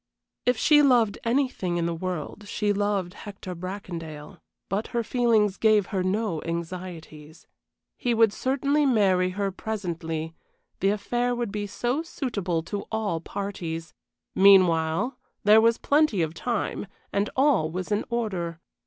If she loved anything in the world she loved Hector Bracondale, but her feelings gave her no anxieties. He would certainly marry her presently, the affair would be so suitable to all parties; meanwhile, there was plenty of time, and all was in order.